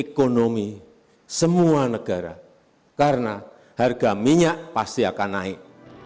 ekonomi semua negara karena harga minyak pasti akan naik